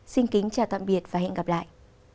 xin kính chào tạm biệt và hẹn gặp lại